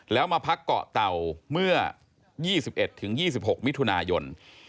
แล้วมาพักเกาะเต่าเมื่อ๒๑๒๖มิถุนายน